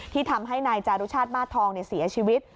ทำให้นายจารุชาติมาสทองเสียชีวิต